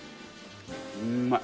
うんまい。